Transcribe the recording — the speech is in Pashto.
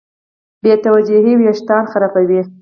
بېتوجهي وېښتيان خرابوي.